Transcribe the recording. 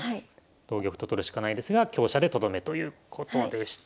同玉と取るしかないですが香車でとどめということでした。